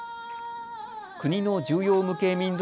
国の重要無形民俗